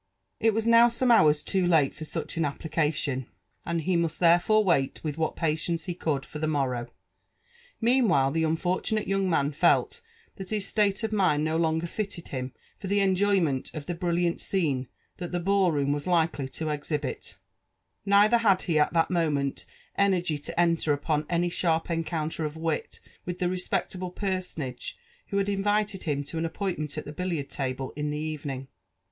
It wis aow some hours too late for such aa application, wA he must IfiS ililFB AND ADV£NtUBE8 W therefore weit with iirhat patience he oould for the merrow. , Mean* while, the unfortunate young man felt that hia state ^f mind no longer filled him for (he enjoyment of the brillant scene that the ball room was likely loeihibit; neither had he at that moment jenei:gy to enter Q|)0R any sharp encounter of wit with the respectable personage who had invited him to an appointment at the biliiard*tabie in the evening.